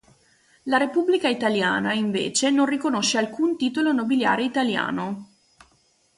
La Repubblica Italiana, invece, non riconosce alcun titolo nobiliare italiano.